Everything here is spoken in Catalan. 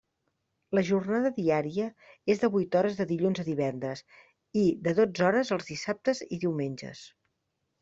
La jornada diària és de vuit hores de dilluns a divendres i de dotze hores els dissabtes i diumenges.